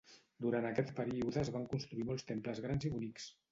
Durant aquest període es van construir molts temples grans i bonics.